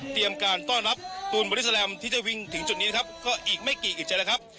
เตรียมการต้อนรับตูนบอลิสาแลมที่จะวิ่งถึงจุดนี้นะครับก็อีกไม่กี่อิ่มชัยนะครับ